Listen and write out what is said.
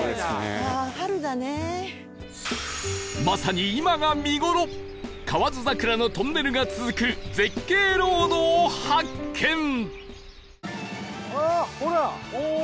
まさに今が見頃河津桜のトンネルが続く絶景ロードを発見